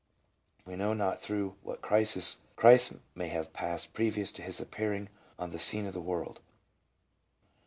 We know not through what crisis Christ may have passed previous to his appearing on the scene of the world.